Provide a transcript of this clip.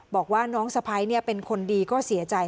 บอกว่าน้องสะพ้ายเป็นคนดีก็เสียใจ